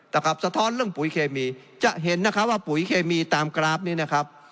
สะท้อนเรื่องปุ๋ยเคมีจะเห็นนะคะว่าปุ๋ยเคมีตามกราฟนี้นะครับ